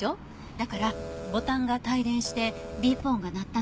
だからボタンが帯電してビープ音が鳴ったのかもしれない。